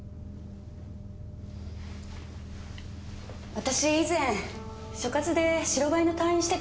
私以前所轄で白バイの隊員してたの。